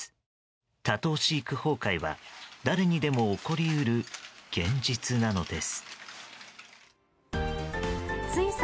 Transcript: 多頭飼育崩壊は、誰にでも起こり得る現実なのです。